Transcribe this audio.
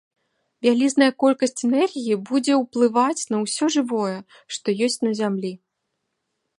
Вялізная колькасць энергіі будзе ўплываць на ўсё жывое, што ёсць на зямлі.